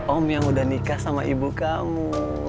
om yang udah nikah sama ibu kamu